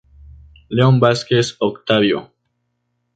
León Vázquez, Octavio.